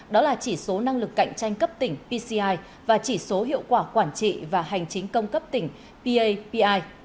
đó là chỉ số năng lực cạnh tranh cấp tỉnh pci và chỉ số hiệu quả quản trị và hành chính công cấp tỉnh papi